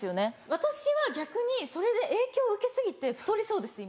私は逆にそれで影響を受け過ぎて太りそうです今。